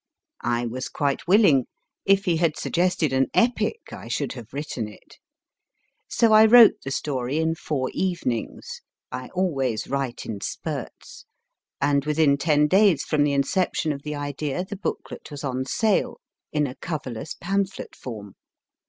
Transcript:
I was quite willing. If he had suggested an epic, I should have written it. So I wrote the story in four evenings (I always write in spurts), and within ten days from the inception of the idea the booklet was on sale in a coverless pamphlet form.